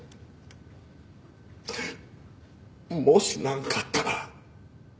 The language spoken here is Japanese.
もし何かあったら。